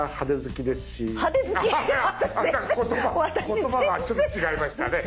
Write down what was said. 言葉がちょっと違いましたね。